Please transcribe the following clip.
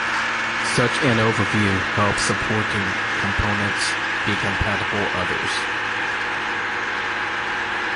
Such an overview helps supporting components be compatible others.